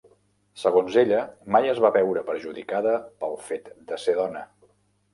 Segons ella mai es va veure perjudicada pel fet de ser dona.